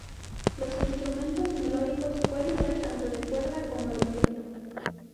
Los instrumentos melódicos pueden ser tanto de cuerda como de viento.